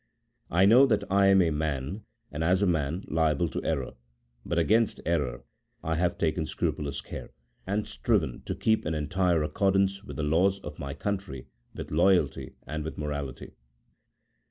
I know that I am a man and, as a man, liable to error, but against error I have taken scrupulous care, and striven to keep in entire accordance with the laws of my country, with loyalty, and with morality.